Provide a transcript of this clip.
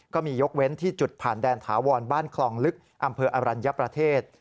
ยกเว้นที่จุดผ่านแดนถาวรบ้านคลองลึกอำเภออรัญญประเทศ